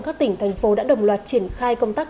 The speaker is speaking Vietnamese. các tỉnh thành phố đã đồng loạt triển khai công tác